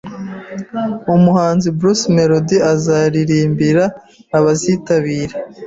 Umuhanzi Bruce Melodie azaririmbira abazitabira